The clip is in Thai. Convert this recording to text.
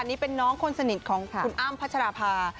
นี่เป็นน้องคนสนิทของคุณอ้ำพัชราภา